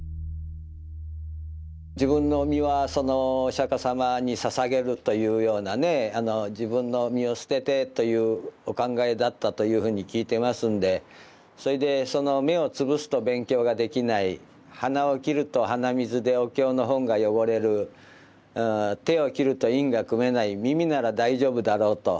自分の身はそのお釈迦様にささげるというようなね自分の身を捨ててというお考えだったというふうに聞いてますんでそれでその目を潰すと勉強ができない鼻を切ると鼻水でお経の本が汚れる手を切ると印が組めない耳なら大丈夫だろうと。